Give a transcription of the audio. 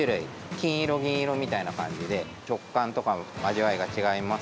金色、銀色みたいな感じで食感とか味わいが違います。